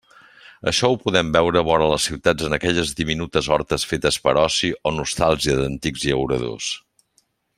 Això ho podem veure vora les ciutats en aquelles diminutes hortes fetes per oci o nostàlgia d'antics llauradors.